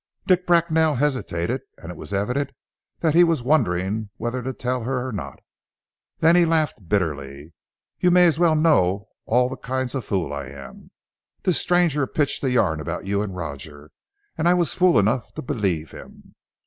Dick Bracknell hesitated, and it was evident that he was wondering whether to tell her or not. Then he laughed bitterly. "You may as well know all the kinds of fool I am. This stranger pitched a yarn about you and Roger, and I was fool enough to believe him."